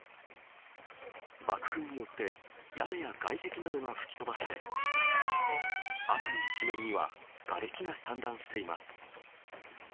爆風によって、屋根や外壁などが吹き飛ばされ、辺り一面にはがれきが散乱しています。